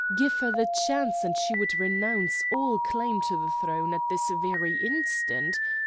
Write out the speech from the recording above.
Give her the chance and she would renounce all claim to the throne at this very instant.